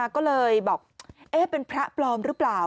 ก็เลยบอกเป็นพระปลอมหรือเปล่า